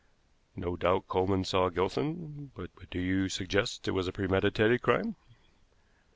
No doubt Coleman saw Gilson; but do you suggest it was a premeditated crime?"